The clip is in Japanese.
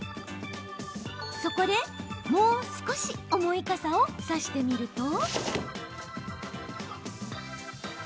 そこで、もう少し重い傘を差してみると。